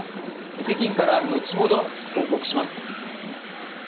北京から後ほど報告します。